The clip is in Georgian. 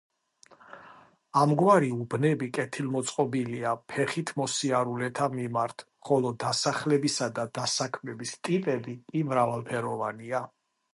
ამგვარი უბნები კეთილგანწყობილია ფეხით მოსიარულეთა მიმართ, ხოლო დასახლებისა და დასაქმების ტიპები კი მრავალფეროვანია.